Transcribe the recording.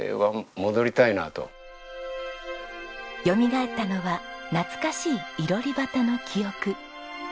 よみがえったのは懐かしい囲炉裏端の記憶。